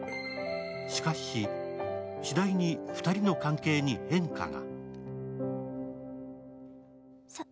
しかし、しだいに２人の関係に変化が。